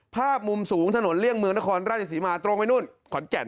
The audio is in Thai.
ภาพมุมสูงถนนเลี่ยงเมืองนครราชศรีมาตรงไปนู่นขอนแก่น